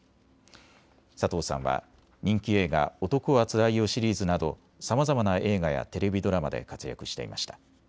佐藤さんは人気映画、男はつらいよシリーズなどさまざまな映画やテレビドラマで活躍していました。